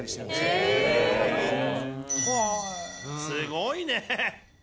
すごいねえ！